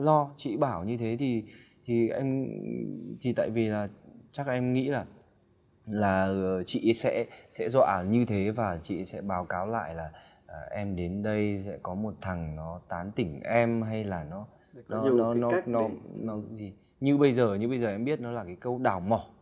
lo chị bảo như thế thì thì em thì tại vì là chắc em nghĩ là là chị sẽ sẽ dọa như thế và chị sẽ báo cáo lại là em đến đây sẽ có một thằng nó tán tỉnh em hay là nó nó nó nó nó nó như bây giờ như bây giờ em biết nó là cái câu đảo mỏ